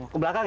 ke belakang ya